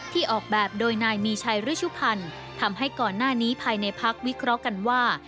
ออกแบบโดยนายมีชัยฤชุพันธ์ทำให้ก่อนหน้านี้ภายในพักวิเคราะห์กันว่า